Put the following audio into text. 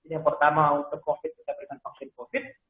yang pertama untuk covid kita berikan vaksin covid